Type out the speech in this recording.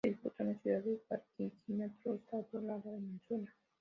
Se disputó en la ciudad de Barquisimeto, Estado Lara, Venezuela.